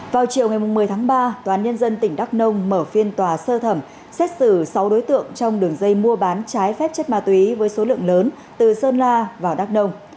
vào chiều ngày một mươi tháng ba tòa án nhân dân tỉnh đắk nông mở phiên tòa sơ thẩm xét xử sáu đối tượng trong đường dây mua bán trái phép chất ma túy với số lượng lớn từ sơn la vào đắk nông